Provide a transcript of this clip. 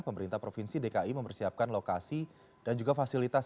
pemerintah provinsi dki mempersiapkan lokasi dan juga fasilitas